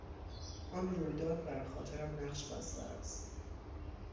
آن رویداد بر خاطرم نقش بسته است.